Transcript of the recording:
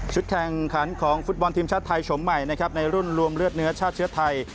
แข่งขันของฟุตบอลทีมชาติไทยชมใหม่นะครับในรุ่นรวมเลือดเนื้อชาติเชื้อไทย